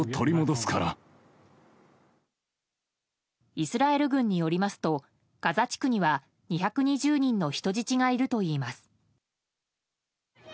イスラエル軍によりますとガザ地区には２２０人の人質がいるといいます。